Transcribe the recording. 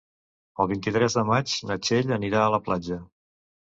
El vint-i-tres de maig na Txell anirà a la platja.